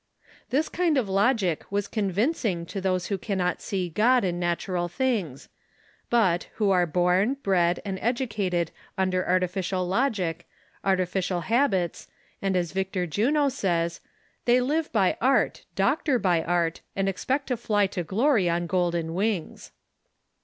This kind of logic was convincing to those who cannot see God in natural things ; but, who are born, bred and educated under artificial logic, artificial habits, and as Victor Juno says : "They live by art, doctor by art, and ex])ect to fly to glory on golden wings."